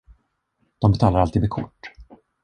De betalar alltid med kort.